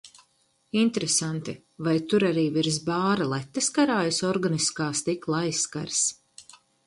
Interesanti, vai tur arī virs bāra letes karājas organiskā stikla aizskars?